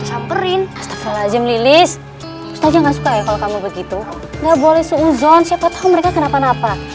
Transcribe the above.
samperin lelis lelis caused begitu enggak boleh terottensi patung tv kenapa nak